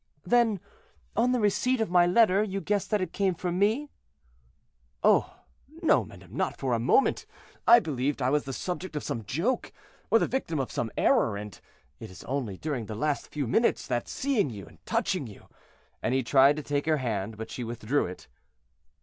"Then, on the receipt of my letter, you guessed that it came from me?" "Oh! no, madame, not for a moment; I believed I was the subject of some joke, or the victim of some error, and it is only during the last few minutes that, seeing you, touching you—" and he tried to take her hand, but she withdrew it.